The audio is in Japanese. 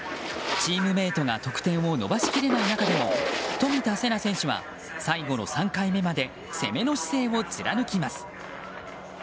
チームメートが得点を伸ばしきれない中での冨田せな選手は最後の３回目まで攻めの姿勢を貫きます。